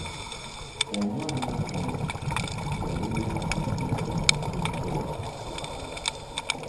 Omwana ono yaweebwa linnya ki okusooka?